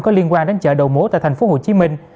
có liên quan đến chợ đầu mối tại thành phố hồ chí minh